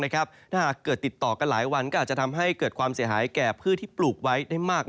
ถ้าหากเกิดติดต่อกันหลายวันก็อาจจะทำให้เกิดความเสียหายแก่พืชที่ปลูกไว้ได้มาก